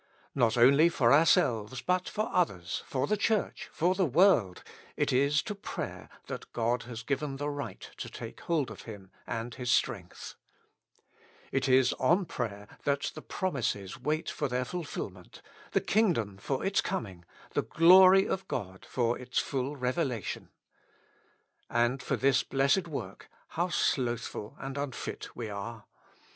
Not only for ourselves, but for others, for the Church, for the lo With Christ in the School of Prayer. world, it is to prayer that God has given the right to take hold of Him and His strength. It is on prayer that the promises wait for their fulfilment, the king dom for its coming, the glory of God for its full reve lation. And for this blessed work, how slothful and unfit we are.